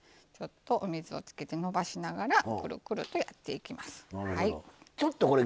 お水をつけてのばしながらくるくるとやっていきます。